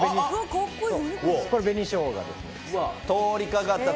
かっこいい。